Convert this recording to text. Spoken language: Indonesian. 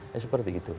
ya seperti itu